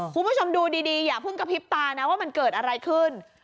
คุณผู้ชมดูดีอย่าเพิ่งกระพริบตานะว่ามันเกิดอะไรขึ้น